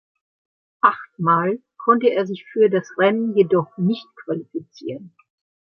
Acht Mal konnte er sich für das Rennen jedoch nicht qualifizieren.